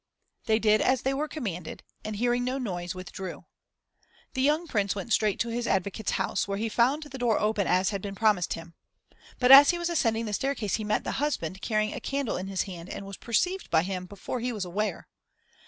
They did as they were commanded, and, hearing no noise, withdrew. The young Prince went straight to his advocate's house, where he found the door open as had been promised him. But as he was ascending the staircase he met the husband, carrying a candle in his hand, and was perceived by him before he was aware.